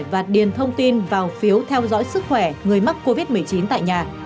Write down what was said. và điền thông tin vào phiếu theo dõi sức khỏe người mắc covid một mươi chín tại nhà